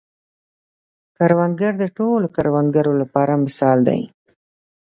کروندګر د ټولو کروندګرو لپاره مثال دی